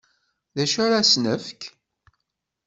D acu ara asen-nefk?